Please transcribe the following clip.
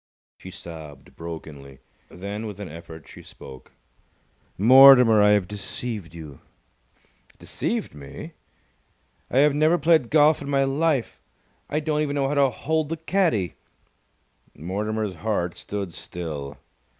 She sobbed brokenly. Then, with an effort, she spoke. "Mortimer, I have deceived you!" "Deceived me?" "I have never played golf in my life! I don't even know how to hold the caddie!" Mortimer's heart stood still.